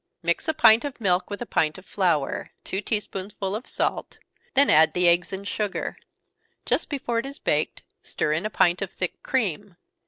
Mix a pint of milk with a pint of flour, two tea spoonsful of salt then add the eggs and sugar. Just before it is baked, stir in a pint of thick cream.